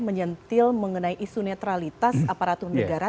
menyentil mengenai isu netralitas aparatur negara